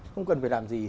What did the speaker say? không cần phải làm gì